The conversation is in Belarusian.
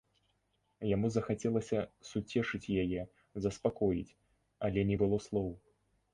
Яму захацелася суцешыць яе, заспакоіць, але не было слоў.